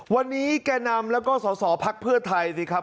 วันนี้แก่นำแล้วก็สอสอพักเพื่อไทยสิครับ